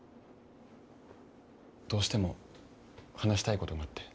どうしても話したいことがあって。